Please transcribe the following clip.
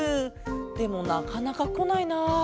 でもなかなかこないな。